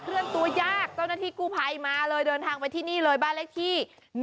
เลื่อนตัวยากเจ้าหน้าที่กู้ภัยมาเลยเดินทางไปที่นี่เลยบ้านเลขที่๑